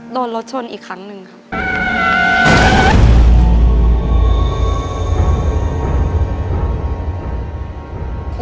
โดนรถชนอีกครั้งหนึ่งครับ